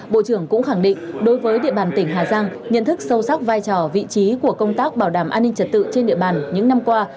bộ trưởng cũng khẳng định đối với địa bàn tỉnh hà giang nhận thức sâu sắc vai trò vị trí của công tác bảo đảm an ninh trật tự trên địa bàn những năm qua